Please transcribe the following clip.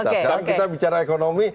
oke oke sekarang kita bicara ekonomi